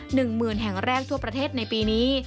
หนึ่งหมื่นแห่งแรกทั่วประเทศในปีนี้